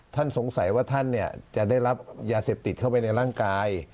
สงสัยว่าท่านจะได้รับยาเสพติดเข้าไปในร่างกาย